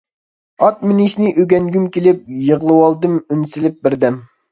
ئات مىنىشنى ئۆگەنگۈم كېلىپ، يىغلىۋالدىم ئۈن سېلىپ بىردەم.